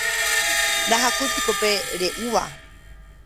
ndahakúipiko pe re'úva